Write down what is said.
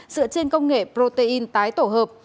dựa trên công nghệ protein tái tổ hợp